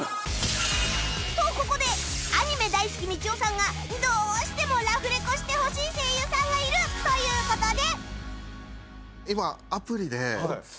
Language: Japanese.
とここでアニメ大好きみちおさんがどうしてもラフレコしてほしい声優さんがいるという事で